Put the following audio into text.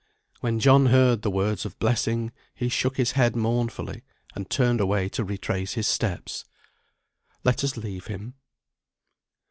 When John heard the words of blessing, he shook his head mournfully, and turned away to retrace his steps. Let us leave him.